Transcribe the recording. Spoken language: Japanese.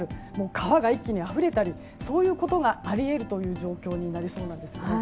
川が一気にあふれたりそういうことがあり得るという状況になりそうです。